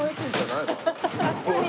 確かに。